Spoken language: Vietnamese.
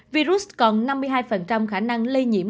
virus còn năm mươi hai khả năng lây nhiễm